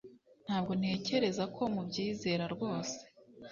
Ntabwo ntekereza ko mubyizera rwose